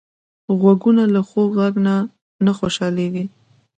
غوږونه له خوږ غږ نه خوشحالېږي